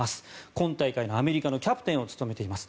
今大会のアメリカのキャプテンを務めています。